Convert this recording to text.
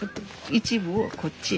一部をこっちへ。